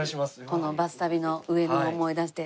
この『バス旅』の上野を思い出して。